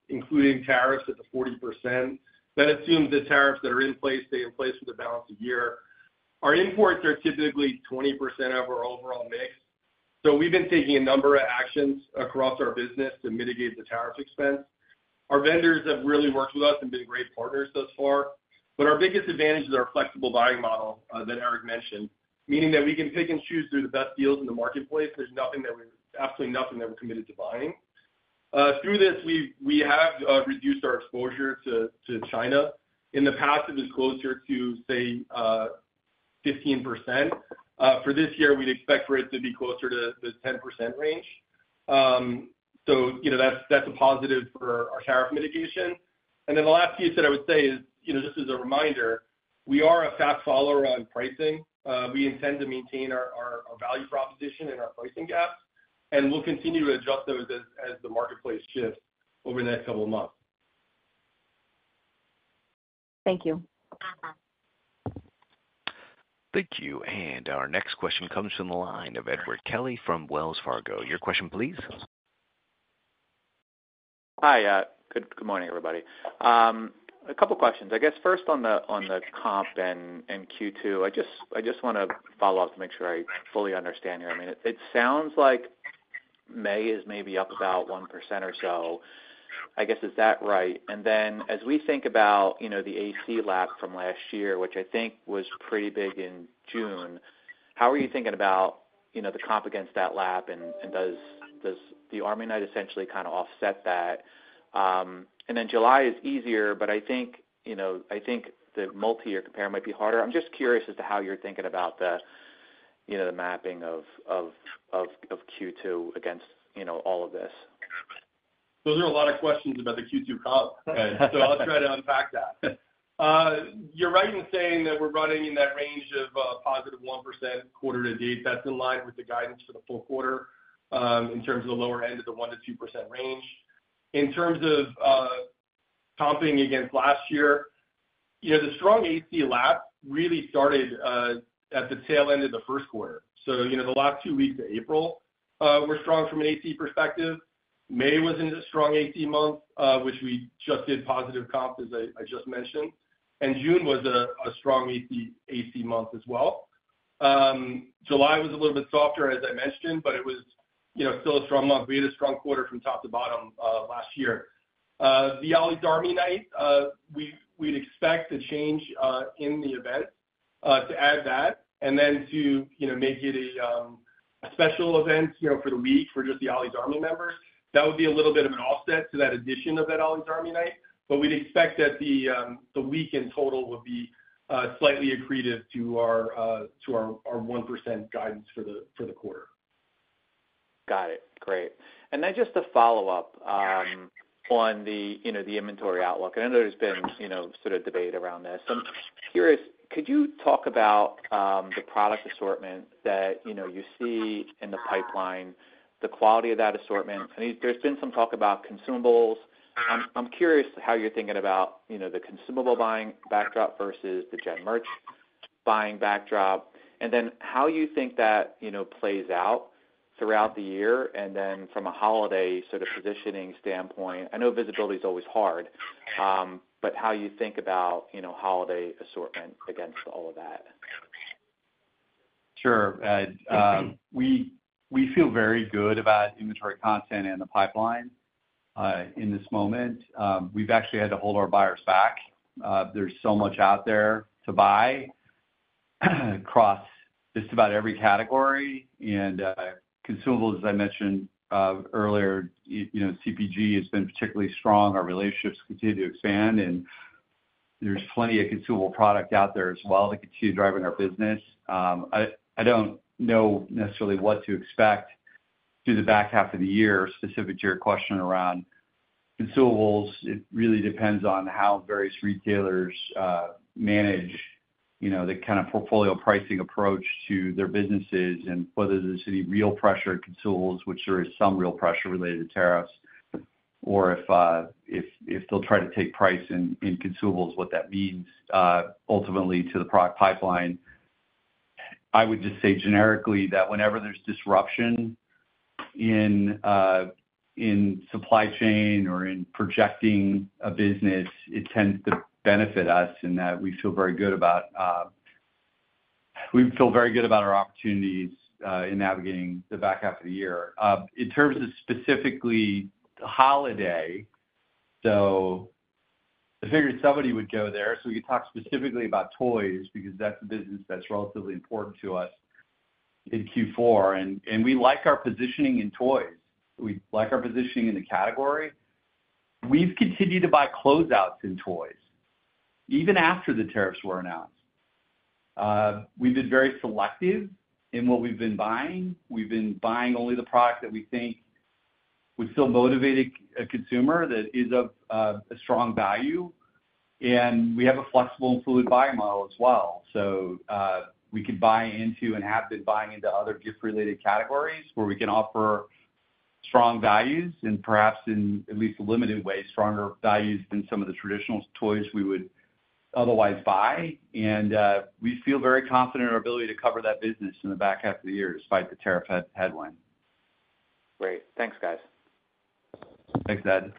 including tariffs at the 40%. That assumes the tariffs that are in place stay in place for the balance of the year. Our imports are typically 20% of our overall mix. We've been taking a number of actions across our business to mitigate the tariff expense. Our vendors have really worked with us and been great partners thus far. Our biggest advantage is our flexible buying model that Eric mentioned, meaning that we can pick and choose through the best deals in the marketplace. There's absolutely nothing that we're committed to buying. Through this, we have reduced our exposure to China. In the past, it was closer to, say, 15%. For this year, we'd expect for it to be closer to the 10% range. That's a positive for our tariff mitigation. The last piece that I would say is, just as a reminder, we are a fast follower on pricing. We intend to maintain our value proposition and our pricing gaps. We'll continue to adjust those as the marketplace shifts over the next couple of months. Thank you. Thank you. Our next question comes from the line of Edward Kelly from Wells Fargo. Your question, please. Hi. Good morning, everybody. A couple of questions. I guess first on the comp and Q2, I just want to follow up to make sure I fully understand here. I mean, it sounds like May is maybe up about 1% or so. I guess, is that right? As we think about the AC lap from last year, which I think was pretty big in June, how are you thinking about the comp against that lap? Does the Army Night essentially kind of offset that? July is easier, but I think the multi-year compare might be harder. I'm just curious as to how you're thinking about the mapping of Q2 against all of this. Those are a lot of questions about the Q2 comp. I'll try to unpack that. You're right in saying that we're running in that range of positive 1% quarter to date. That's in line with the guidance for the full quarter in terms of the lower end of the 1%-2% range. In terms of comping against last year, the strong AC lap really started at the tail end of the first quarter. The last two weeks of April were strong from an AC perspective. May was a strong AC month, which we just did positive comps, as I just mentioned. June was a strong AC month as well. July was a little bit softer, as I mentioned, but it was still a strong month. We had a strong quarter from top to bottom last year. The Ollie's Army Night, we'd expect a change in the event to add that and then to make it a special event for the week for just the Ollie's Army members. That would be a little bit of an offset to that addition of that Ollie's Army Night. We'd expect that the week in total would be slightly accretive to our 1% guidance for the quarter. Got it. Great. Just to follow up on the inventory outlook. I know there's been sort of debate around this. I'm curious, could you talk about the product assortment that you see in the pipeline, the quality of that assortment? There's been some talk about consumables. I'm curious how you're thinking about the consumable buying backdrop versus the gen merch buying backdrop. How do you think that plays out throughout the year and then from a holiday sort of positioning standpoint? I know visibility is always hard, but how do you think about holiday assortment against all of that? Sure, Ed. We feel very good about inventory content and the pipeline in this moment. We've actually had to hold our buyers back. There's so much out there to buy across just about every category. In consumables, as I mentioned earlier, CPG has been particularly strong. Our relationships continue to expand. There's plenty of consumable product out there as well to continue driving our business. I don't know necessarily what to expect through the back half of the year, specific to your question around consumables. It really depends on how various retailers manage the kind of portfolio pricing approach to their businesses and whether there's any real pressure on consumables, which there is some real pressure related to tariffs, or if they'll try to take price in consumables, what that means ultimately to the product pipeline. I would just say generically that whenever there's disruption in supply chain or in projecting a business, it tends to benefit us in that we feel very good about our opportunities in navigating the back half of the year. In terms of specifically holiday, I figured somebody would go there. We could talk specifically about toys because that's a business that's relatively important to us in Q4. We like our positioning in toys. We like our positioning in the category. We've continued to buy closeouts in toys even after the tariffs were announced. We've been very selective in what we've been buying. We've been buying only the product that we think would still motivate a consumer that is of a strong value. We have a flexible and fluid buying model as well. We could buy into and have been buying into other gift-related categories where we can offer strong values and perhaps in at least a limited way, stronger values than some of the traditional toys we would otherwise buy. We feel very confident in our ability to cover that business in the back half of the year despite the tariff headwind. Great. Thanks, guys. Thanks, Ed.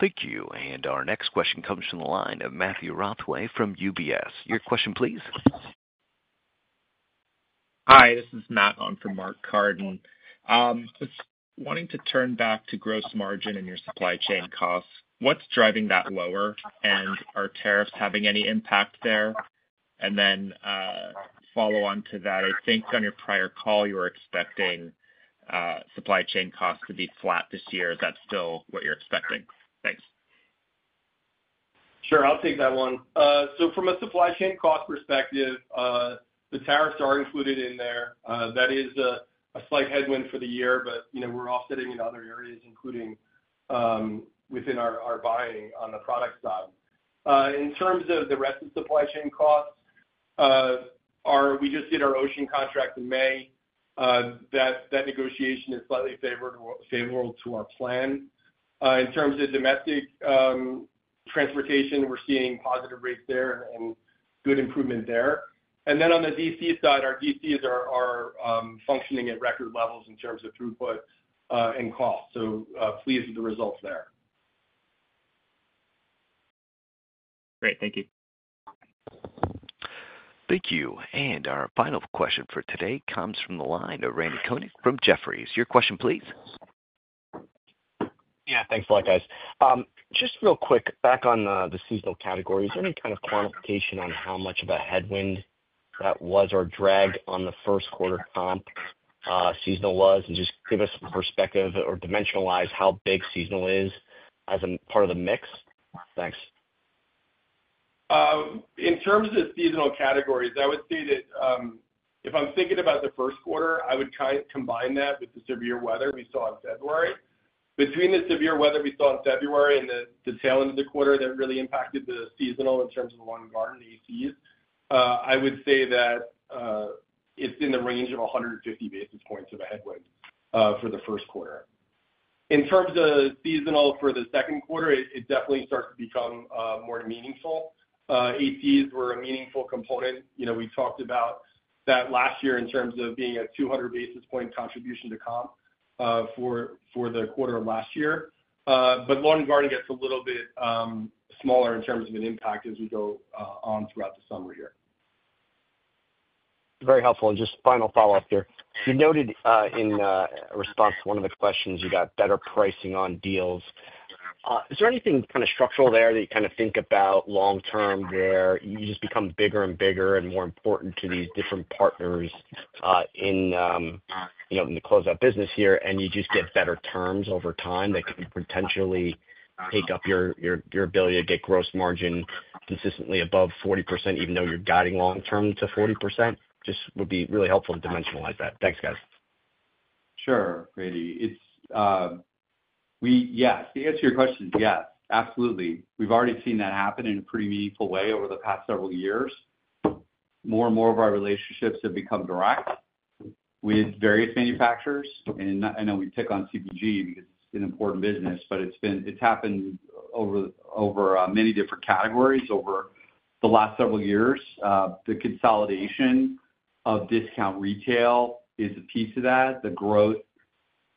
Thank you. Our next question comes from the line of Matthew Rothway from UBS. Your question, please. Hi. This is Matt on for Mark Carden. Just wanting to turn back to gross margin and your supply chain costs. What's driving that lower? Are tariffs having any impact there? A follow on to that, I think on your prior call, you were expecting supply chain costs to be flat this year. Is that still what you're expecting? Thanks. Sure. I'll take that one. From a supply chain cost perspective, the tariffs are included in there. That is a slight headwind for the year, but we're offsetting in other areas, including within our buying on the product side. In terms of the rest of supply chain costs, we just did our [Ocean] contract in May. That negotiation is slightly favorable to our plan. In terms of domestic transportation, we're seeing positive rates there and good improvement there. On the DC side, our DCs are functioning at record levels in terms of throughput and cost. Pleased with the results there. Great. Thank you. Thank you. Our final question for today comes from the line of [Randy Koenig] from Jefferies. Your question, please. Yeah. Thanks a lot, guys. Just real quick, back on the seasonal category, is there any kind of quantification on how much of a headwind that was or drag on the first quarter comp seasonal was? Just give us perspective or dimensionalize how big seasonal is as a part of the mix. Thanks. In terms of seasonal categories, I would say that if I'm thinking about the first quarter, I would combine that with the severe weather we saw in February. Between the severe weather we saw in February and the tail end of the quarter that really impacted the seasonal in terms of the lawn and garden ACs, I would say that it's in the range of 150 basis points of a headwind for the first quarter. In terms of seasonal for the second quarter, it definitely starts to become more meaningful. ACs were a meaningful component. We talked about that last year in terms of being a 200 basis point contribution to comp for the quarter of last year. Lawn and garden gets a little bit smaller in terms of an impact as we go on throughout the summer here. Very helpful. Just final follow-up here. You noted in response to one of the questions, you got better pricing on deals. Is there anything kind of structural there that you kind of think about long-term where you just become bigger and bigger and more important to these different partners in the closeout business here, and you just get better terms over time that can potentially take up your ability to get gross margin consistently above 40%, even though you're guiding long-term to 40%? Just would be really helpful to dimensionalize that. Thanks, guys. Sure. Great. Yes. To answer your question, yes. Absolutely. We've already seen that happen in a pretty meaningful way over the past several years. More and more of our relationships have become direct with various manufacturers. And I know we pick on CPG because it's an important business, but it's happened over many different categories over the last several years. The consolidation of discount retail is a piece of that. The growth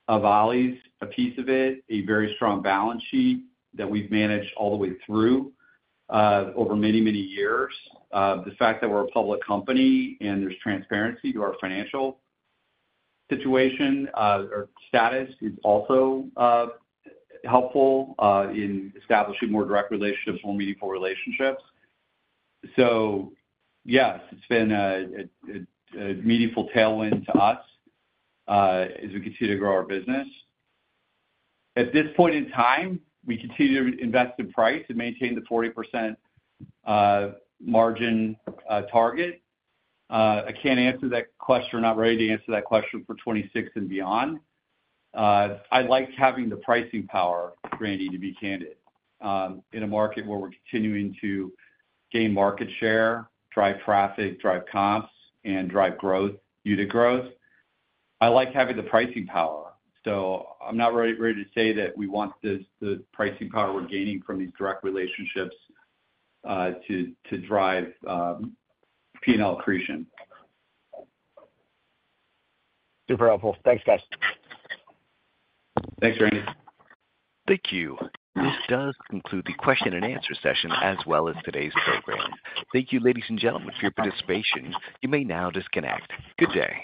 of Ollie's, a piece of it, a very strong balance sheet that we've managed all the way through over many, many years. The fact that we're a public company and there's transparency to our financial situation or status is also helpful in establishing more direct relationships, more meaningful relationships. Yes, it's been a meaningful tailwind to us as we continue to grow our business. At this point in time, we continue to invest in price and maintain the 40% margin target. I can't answer that question. I'm not ready to answer that question for 2026 and beyond. I like having the pricing power, Randy, to be candid. In a market where we're continuing to gain market share, drive traffic, drive comps, and drive growth, unit growth, I like having the pricing power. I'm not ready to say that we want the pricing power we're gaining from these direct relationships to drive P&L accretion. Super helpful. Thanks, guys. Thanks, Randy. Thank you. This does conclude the question and answer session as well as today's program. Thank you, ladies and gentlemen, for your participation. You may now disconnect. Good day.